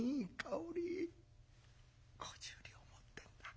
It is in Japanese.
５０両持ってんな。